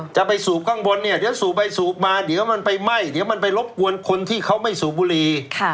จะไปสูบข้างบนเนี่ยเดี๋ยวสูบไปสูบมาเดี๋ยวมันไปไหม้เดี๋ยวมันไปรบกวนคนที่เขาไม่สูบบุรี